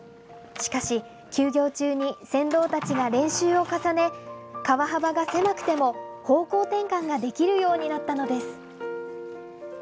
しかし、休業中に船頭たちが練習を重ね、川幅が狭くても方向転換ができるようになったのです。